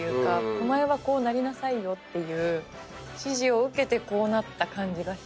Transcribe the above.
お前はこうなりなさいよっていう指示を受けてこうなった感じがして。